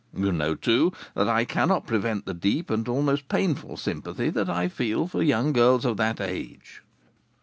You know, too, that I cannot prevent the deep, and almost painful, sympathy I feel for young girls of that age."